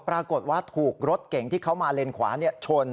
ปรากฏว่าถูกรถเก่งที่เขามาเลนขวาชน